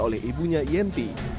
oleh ibunya yenti